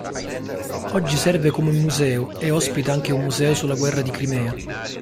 Oggi serve come museo e ospita anche un museo sulla guerra di Crimea.